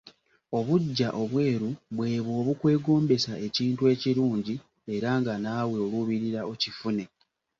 Obuggya obweru bwebo obukwegombesa ekintu ekirungi era nga naawe olubirira okifune.